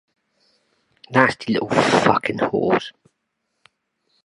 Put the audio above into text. She researches the Jennie Spring kidnapping.